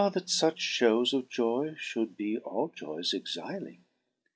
that fuch fhews of joyes ftiould be all joyes exiling.